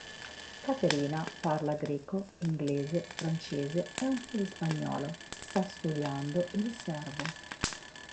Caterina, parla greco, inglese, francese ed un po' di spagnolo, sta studiando il serbo.